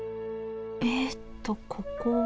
えっとここは。